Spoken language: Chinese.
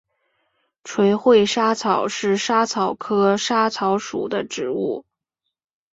垂穗莎草是莎草科莎草属的植物。